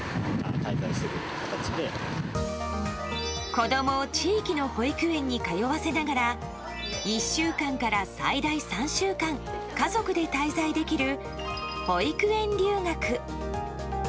子供を地域の保育園に通わせながら１週間から最大３週間家族で滞在できる保育園留学。